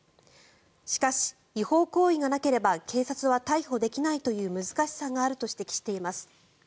しかし、違法行為がなければ警察は逮捕できないという難しさがあると指摘しています。